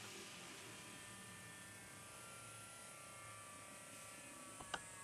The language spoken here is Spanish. Además se desprendieron tapas de alcantarillas y anuncios publicitarios.